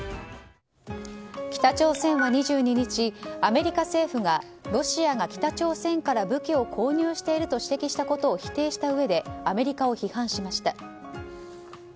北朝鮮は２２日アメリカ政府がロシアが北朝鮮から武器を購入していると指摘したことを否定したうえでアメリカを批判しました。